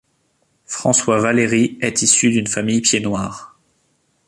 François Valéry est issu d'une famille pied-noir.